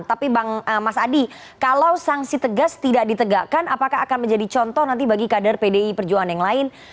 tapi mas adi kalau sanksi tegas tidak ditegakkan apakah akan menjadi contoh nanti bagi kader pdi perjuangan yang lain